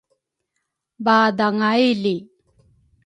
baadhanga ili